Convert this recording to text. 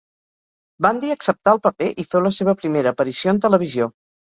Vandi acceptà el paper i feu la seva primera aparició en televisió.